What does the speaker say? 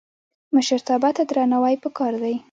مشرتابه ته درناوی پکار دی